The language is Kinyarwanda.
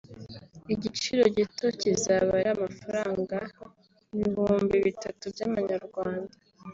igiciro gito kizaba ari amafaranga ibihumbi bitatu by’Amanyarwanda